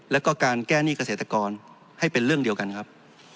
แล้วก็การแก้หนี้เกษตรกรให้เป็นเรื่องเดียวกันครับ